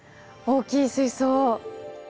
大きい水槽！